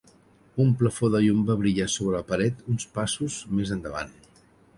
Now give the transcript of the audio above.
Un plafó de llum va brillar sobre la paret uns passos més endavant.